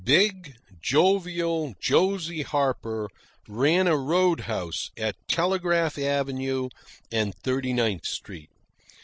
Big jovial Josie Harper ran a road house at Telegraph Avenue and Thirty ninth Street.